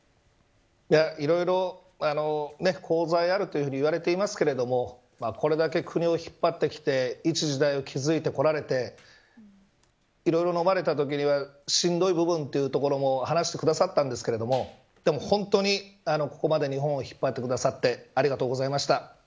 いろいろ、功罪あるというふうに言われていますけどこれだけ国を引っ張ってきて一時代を築いてこられてしんどい部分というところも話してくださったんですけど本当に、ここまで日本を引っ張ってくださってありがとうございました。